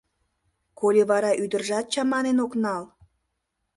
Коли вара ӱдыржат чаманен ок нал?